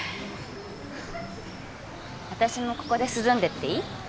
私もここで涼んでっていい？